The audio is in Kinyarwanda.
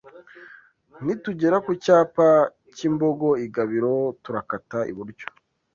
Nitugera ku cyapa k’imbogo i Gabiro turakata iburyo